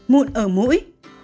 mụn ở mũi